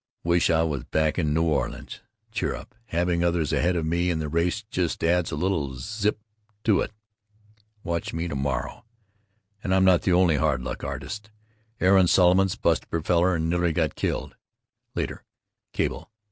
Wish I was back in New Orleans. Cheer up, having others ahead of me in the race just adds a little zip to it. Watch me to morrow. And I'm not the only hard luck artist. Aaron Solomons busted propeller and nearly got killed. Later. Cable.